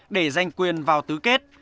để giành quyền vào tứ kết